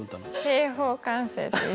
平方完成。